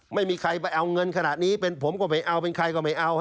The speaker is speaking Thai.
ไม่มีใครไปเอาเงินขนาดนี้เป็นผมก็ไม่เอาเป็นใครก็ไม่เอา